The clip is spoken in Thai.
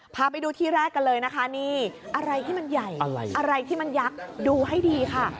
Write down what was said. พาไปดูที่แรกกันเลยนะคะนี่อะไรที่มันใหญ่อะไรที่มันยักษ์ดูให้ดีค่ะ